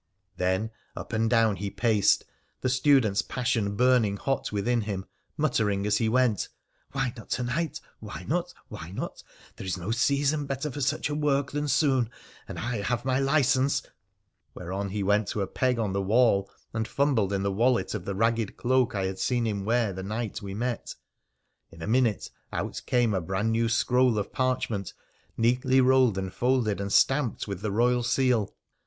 Then up and down he paced, the student's passion burning hot within him, muttering as he went :' Why not to night ? Why not, why not ? There is no season better for such a work than soon, and I have my license,' whereon he went to a peg on the wall and fumbled in the wallet of the ragged cloak I had seen him wear the night we met. In a minute out came a brand new scroll of parchment, neatly rolled and folded, and stamped with the Eoyal seal.